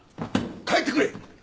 帰ってくれ！